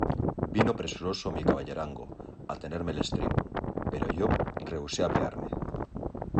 vino presuroso mi caballerango a tenerme el estribo, pero yo rehusé apearme.